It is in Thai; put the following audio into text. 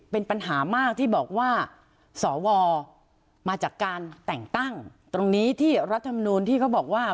เป็นปัญหามากที่บอกว่าสวมาจากการแต่งตั้งตรงนี้ที่รัฐมนูลที่เขาบอกว่า